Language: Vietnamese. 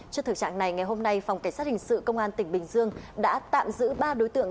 trước thực trạng này ngày hôm nay phòng cảnh sát hình sự công an tỉnh bình dương đã tạm giữ ba đối tượng